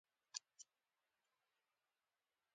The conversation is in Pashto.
د ویښتانو ښه ږمنځول د ښکلا سبب ګرځي.